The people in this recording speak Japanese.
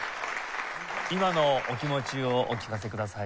今のお気持ちをお聞かせください。